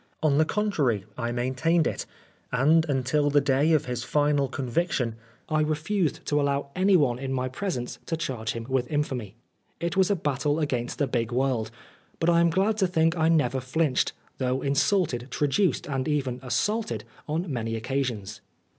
On the contrary, I maintained it ; and until the day of his final conviction, I refused to allow anyone in my presence to charge him with infamy. It was a battle against a big world, but I am glad to think I never flinched, though insulted, traduced, and even assaulted on many occasions.